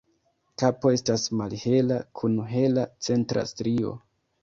Kapo estas malhela kun hela centra strio.